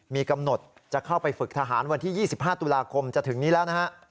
มีกำหนดจะเข้าไปฝึกทหารวันที่๒๕ตุลาคมจะถึงนี้แล้วนะฮะ